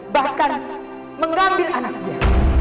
bahkan mengambil anak dia